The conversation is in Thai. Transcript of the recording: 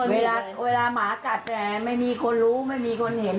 เวลาหมากัดไม่มีคนรู้ไม่มีคนเห็น